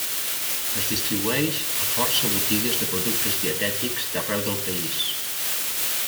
Es distribueix a força botigues de productes dietètics d'arreu del país.